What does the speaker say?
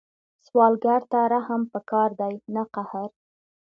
سوالګر ته رحم پکار دی، نه قهر